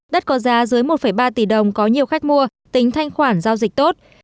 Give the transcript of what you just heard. đất có giá dưới một ba tỷ đồng có nhiều khách mua tính thanh khoản giao dịch tốt